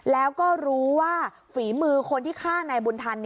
แล้วก็รู้ว่าฝีมือคนที่ฆ่านายบุญทัน